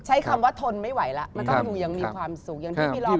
ใช้คำว่าทนไม่ไหวแล้วมันก็อยู่อย่างมีความสุข